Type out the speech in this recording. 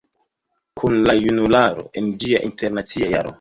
Kun la junularo, en ĝia Internacia Jaro...".